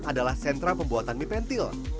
adalah sentra pembuatan mie pentil